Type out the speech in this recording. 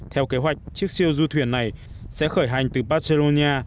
theo kế hoạch chiếc siêu du thuyền này sẽ khởi hành từ barcelona